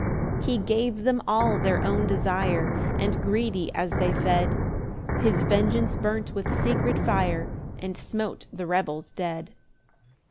6 He gave them all their own desire; And greedy as they fed, His vengeance burnt with secret fire, And smote the rebels dead.